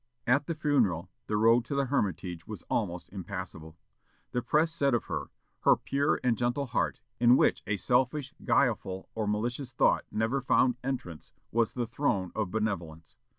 At the funeral, the road to the Hermitage was almost impassable. The press said of her, "Her pure and gentle heart, in which a selfish, guileful, or malicious thought, never found entrance, was the throne of benevolence....